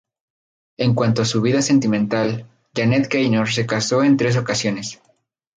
En cuanto a su vida sentimental, Janet Gaynor se casó en tres ocasiones.